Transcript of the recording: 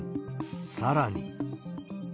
さらに。